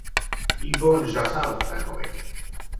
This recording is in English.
He born Jatav Family.